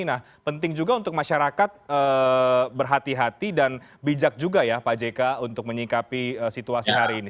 nah penting juga untuk masyarakat berhati hati dan bijak juga ya pak jk untuk menyikapi situasi hari ini